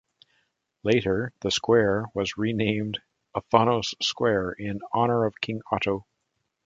Later, the square was renamed "Othonos Square" in honor of King Otto.